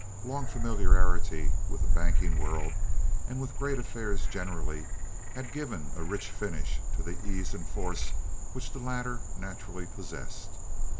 Long familiarity with the banking world and with great affairs generally had given a rich finish to the ease and force which the latter naturally possessed.